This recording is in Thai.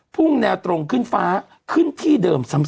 ่งแนวตรงขึ้นฟ้าขึ้นที่เดิมซ้ำ